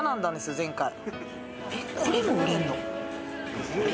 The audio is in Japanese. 前回えっこれも売れんの！？